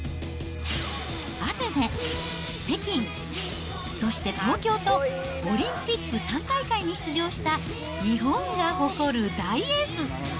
アテネ、北京、そして東京と、オリンピック３大会に出場した、日本が誇る大エース。